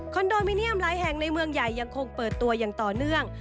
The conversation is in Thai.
โดมิเนียมหลายแห่งในเมืองใหญ่ยังคงเปิดตัวอย่างต่อเนื่อง